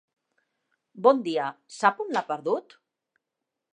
Bon dia, sap on l'ha perdut?